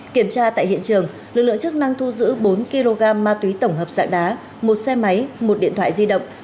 kiểm tra tại hiện trường lực lượng chức năng thu giữ bốn kg ma túy tổng hợp dạng đá một xe máy một điện thoại di động